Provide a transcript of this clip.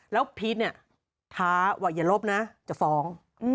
แล้วพีชเนี่ยท้าว่าอย่าลบนะจะฟ้อง